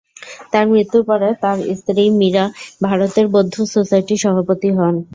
তাঁর মৃত্যুর পরে তাঁর স্ত্রী মীরা ভারতের বৌদ্ধ সোসাইটির সভাপতি হন।